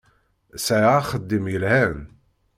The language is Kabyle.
Sɛiɣ axeddim yelhan.